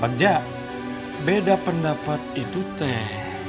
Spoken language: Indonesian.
pajak beda pendapat itu teh